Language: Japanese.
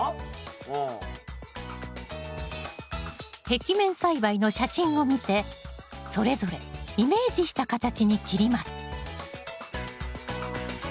壁面栽培の写真を見てそれぞれイメージした形に切ります